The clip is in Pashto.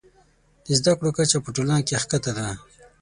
د زده کړو کچه په ټولنه کې ښکته ده.